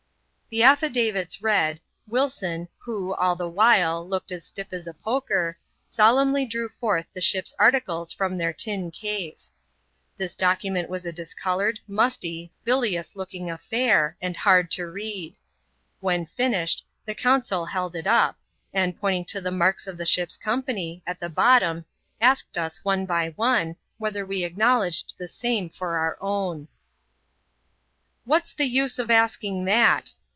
The affidavits read, Wilson, who, all the while, looked as iff as a poker, solemnly drew forth the ship's articles from 1^ tin case. This document was a discoloured, musty, bilious oking affidr, and hard to read. When finished, the consul eld it up ; and, pointing to the marks of the ship's company, t the bottom, asked us, one by one, whether we acknowledged 16. same for our own. " What's the use of asking that?"